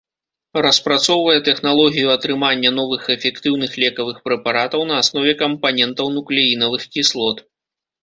Распрацоўвае тэхналогію атрымання новых эфектыўных лекавых прэпаратаў на аснове кампанентаў нуклеінавых кіслот.